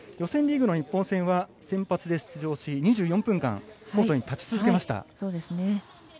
予選リーグの日本戦は先発で出場し２４分間コートに立ち続けました。